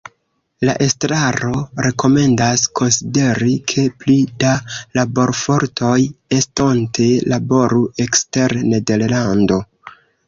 La estraro rekomendas konsideri, ke pli da laborfortoj estonte laboru ekster Nederlando.